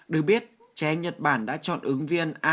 được biết trẻ em nhật bản đã chọn ứng viên ip